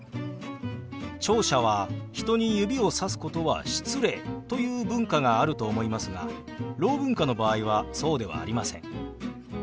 聴者は「人に指をさすことは失礼」という文化があると思いますがろう文化の場合はそうではありません。